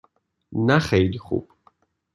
نه خیلی خوب.